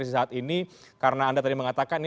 di saat ini karena anda tadi mengatakan